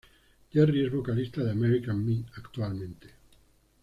Jerry es vocalista de American Me actualmente.